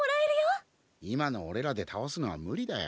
今のおれらでたおすのは無理だよ。